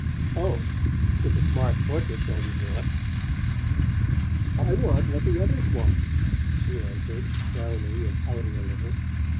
"Oh, if a 'smart' portrait's all you want!" "I want what the others want," she answered, frowning and pouting a little.